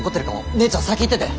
姉ちゃん先行ってて。